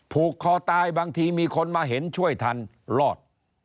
ผูกคอตายบางทีมีคนมาเห็นช่วยทันรอด